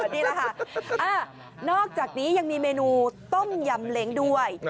นี่แหละค่ะนอกจากนี้ยังมีเมนูต้มยำเล้งด้วย